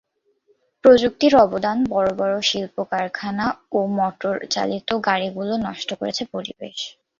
প্রযুক্তির অবদান বড় বড় শিল্পকারখানা ও মোটর চালিত গাড়িগুলো নষ্ট করেছে পরিবেশ।